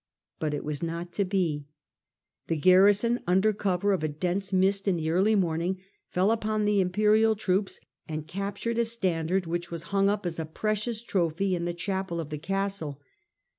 But it was not to be : the garrison, under cover of a dense mist in the early morning, fell upon the imperial troops and captured a standard, which was hung up as a precious trophy in the chapel of the castle.